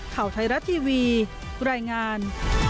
ข่าวไทยรัฐทีวีรายงาน